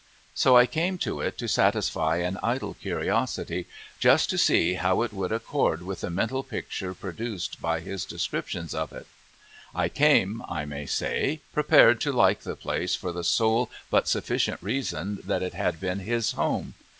So I came to it to satisfy an idle curiosity just to see how it would accord with the mental picture produced by his description of it. I came, I may say, prepared to like the place for the sole but sufficient reason that it had been his home.